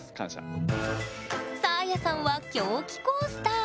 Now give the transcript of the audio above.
サーヤさんは「狂気コースター」。